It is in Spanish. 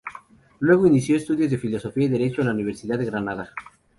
Luego inició estudios de Filosofía y Derecho en la Universidad de Granada.